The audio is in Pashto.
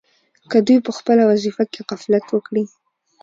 که دوی په خپله وظیفه کې غفلت وکړي.